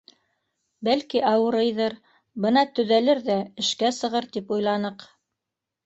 Бәлки, ауырыйҙыр, бына төҙәлер ҙә, эшкә сығыр тип уйланыҡ.